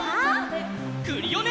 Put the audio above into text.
クリオネ！